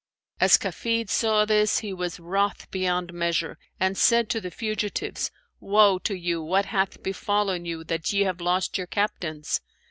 As Kafid saw this, he was wroth beyond measure and said to the fugitives, 'Woe to you! What hath befallen you, that ye have lost your captains?'